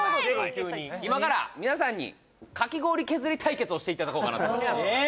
急に今から皆さんにかき氷削り対決をしていただこうかなとえ！